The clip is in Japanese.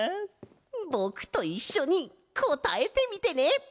ぼくといっしょにこたえてみてね！